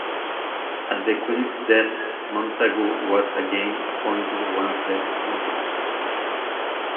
At the Queen's death Montagu was again appointed one of the regents.